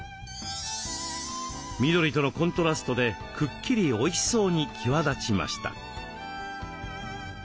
緑とのコントラストでくっきりおいしそうに際立ちました。